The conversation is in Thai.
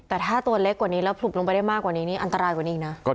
แต่ถ้าตัวเล็กกว่านี้แล้วผลุบลงไปได้มากกว่านี้นี่อันตรายกว่านี้อีกนะ